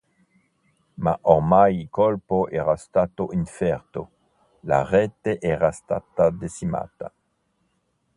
Ma ormai il colpo era stato inferto: la rete era stata decimata.